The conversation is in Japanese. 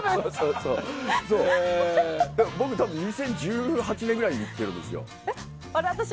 僕、多分２０１８年ぐらいに行っているんですよ。